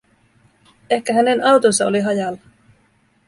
Ehkä hänen autonsa oli hajalla?